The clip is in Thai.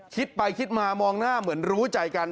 คิดไปคิดมามองหน้าเหมือนรู้ใจกัน